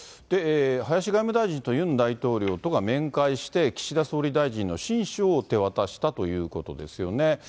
林外務大臣とユン大統領とが面会して、岸田総理大臣の親書を手渡したということですよね。